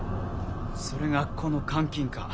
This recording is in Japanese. それがこの監禁か。